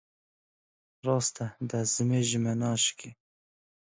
Rast e destmêj ji me naşikê.